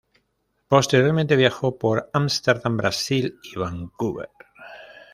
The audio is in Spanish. Posteriormente viajó por Ámsterdam, Brasil y Vancouver.